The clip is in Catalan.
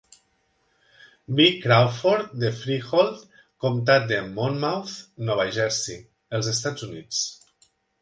B. Crawford de Freehold, comtat de Monmouth, Nova Jersey, els Estats Units.